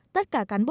tất cả cán bộ